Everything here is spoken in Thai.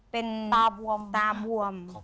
เป็นตาบวม